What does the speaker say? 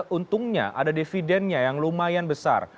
untungnya ada dividennya yang lumayan besar